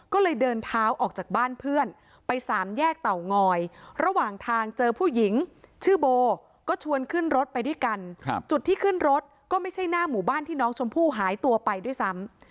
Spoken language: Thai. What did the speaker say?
ก็เลยเดินเท้าออกจากบ้านเพื่อนไปสามแยกเตางอยระหว่างทางเจอผู้หญิงชื่อโบก็ชวนขึ้นรถไปด้วยกันจุดที่ขึ้นรถก็ไม่ใช่หน้าหมู่บ้านที่น้องชมพู่หายตัวไปด้วยซ้ำ